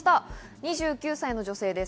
２９歳の女性です。